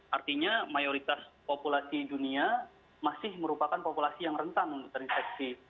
artinya mayoritas populasi dunia masih merupakan populasi yang rentan untuk terinfeksi